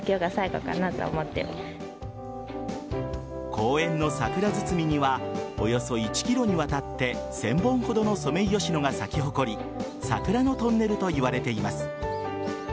公園の桜堤にはおよそ１ｋｍにわたって１０００本ほどのソメイヨシノが咲き誇り桜のトンネルといわれています。